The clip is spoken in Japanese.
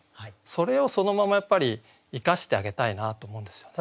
それをそのままやっぱり生かしてあげたいなと思うんですよね。